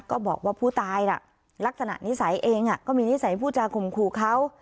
ก็บอกว่าผู้ตายน่ะลักษณะนิสัยเองก็มีนิสัยผู้จาข่มขู่เขา